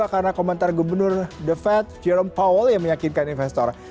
karena komentar gubernur the fed jerome powell yang meyakinkan investor